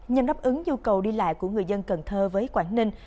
nhằm đáp ứng nhu cầu đi lại của người dân cần thơ với quảng ninh